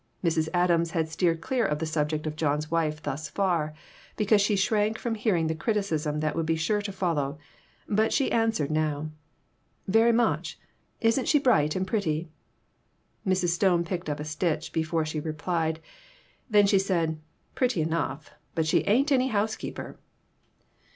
Mrs. Adams had steered clear of the subject of John's wife thus far, because she shrank from hearing the criticism that would be sure to follow, but she answered now "Very much. Isn't she bright and pretty?" Mrs. Stone picked up a stitch before she replied, then she said "Pretty enough! But she ain't any housekeeper."